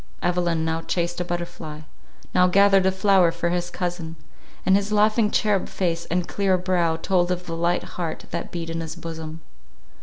Evelyn now chased a butterfly—now gathered a flower for his cousin; and his laughing cherub face and clear brow told of the light heart that beat in his bosom.